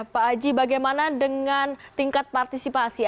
pak haji bagaimana dengan tingkat partisipasi